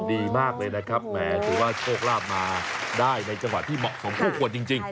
ดีมากเลยนะครับแหมถือว่าโชคลาภมาได้ในจังหวะที่เหมาะสมคู่ควรจริง